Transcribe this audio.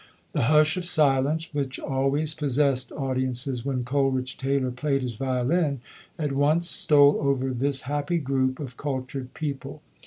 The hush of silence which always possessed audi ences when Coleridge Taylor played his violin, at once stole over this happy group of cultured people.